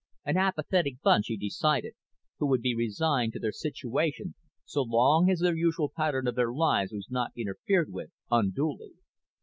An apathetic bunch, he decided, who would be resigned to their situation so long as the usual pattern of their lives was not interfered with unduly.